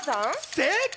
正解！